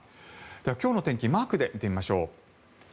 今日の天気マークで見てみましょう。